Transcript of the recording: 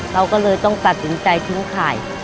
เราก็เลยต้องตัดสินใจทิ้งไข่